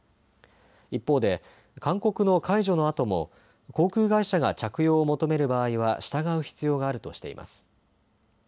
一方で勧告の解除のあとも航空会社が着用を求める場合は従う必要があるとしています。